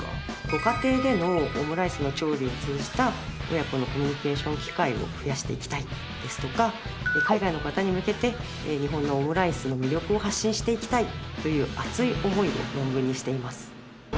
ご家庭でのオムライスの調理を通じた親子のコミュニケーション機会を増やしていきたいですとか海外の方に向けて日本のオムライスの魅力を発信していきたいという熱い思いを論文にしています。